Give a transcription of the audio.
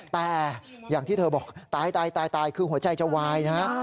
แต่อย่างที่เธอบอกตายคือหัวใจจะวายนะฮะ